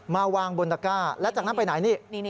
มาวางบนตะก้าและจากนั้นไปไหนนี่